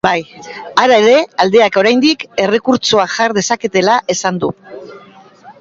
Hala ere, aldeek oraindik errekurtsoa jar dezaketela esan du.